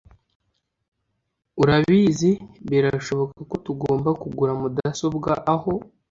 Urabizi, birashoboka ko tugomba kugura mudasobwa aho.